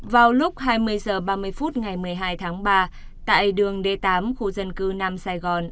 vào lúc hai mươi h ba mươi phút ngày một mươi hai tháng ba tại đường d tám khu dân cư nam sài gòn